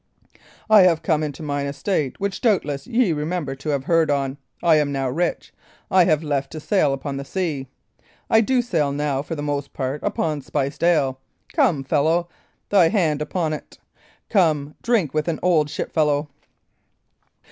I have come into mine estate which doubtless ye remember to have heard on. I am now rich; I have left to sail upon the sea; I do sail now, for the most part, upon spiced ale. Come, fellow; thy hand upon 't! Come, drink with an old shipfellow!"